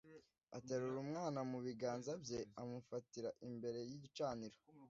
Aterura umwana mu biganza bye, amufatira imbere y'igicaniro.